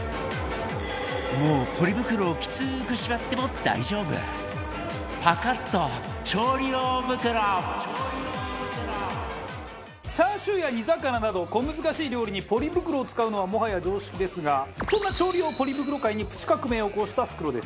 もうポリ袋をきつく縛っても大丈夫チャーシューや煮魚など小難しい料理にポリ袋を使うのはもはや常識ですがそんな調理用ポリ袋界にプチ革命を起こした袋です。